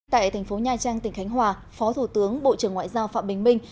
tại thành phố nha trang tỉnh khánh hòa phó thủ tướng bộ trưởng ngoại giao phạm bình minh